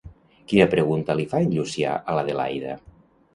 Quina pregunta li fa en Llucià a l'Adelaida?